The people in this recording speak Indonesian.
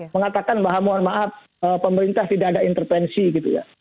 mengatakan bahwa mohon maaf pemerintah tidak ada intervensi gitu ya